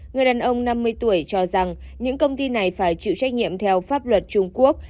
người đàn ông năm mươi tuổi cho rằng những công ty này phải chịu trách nhiệm theo pháp luật trung quốc